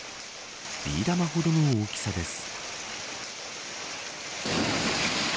ビー玉ほどの大きさです。